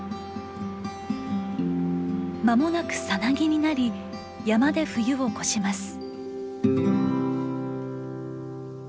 間もなくさなぎになり山で冬を越します。